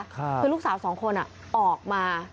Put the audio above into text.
คือลูกสาวสองคนออกมา